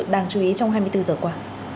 đáng chú ý trong hai mươi bốn h qua